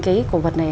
cái cổ vật này